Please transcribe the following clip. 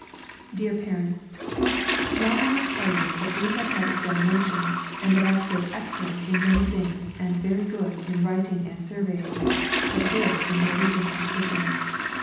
DEAR PARENTS, Now I must tell you that we have had examinations, and that I stood 'excellent' in many things, and 'very good' in writing and surveying, but 'good' in Norwegian composition.